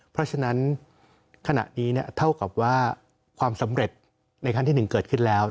เพราะฉะนั้นขณะนี้เท่ากับว่าความสำเร็จในครั้งที่๑เกิดขึ้นแล้ว